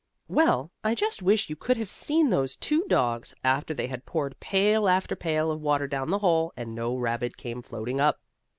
Well, I just wish you could have seen those two dogs, after they had poured pail after pail of water down the hole, and no rabbit came floating up.